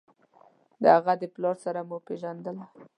د هغه د پلار سره مو پېژندله.